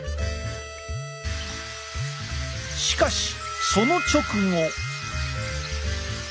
しかしその直後。